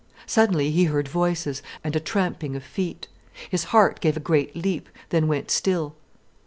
Suddenly he heard voices, and a tramping of feet. His heart gave a great leap, then went still.